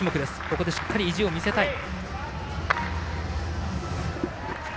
ここでしっかり意地を見せたい。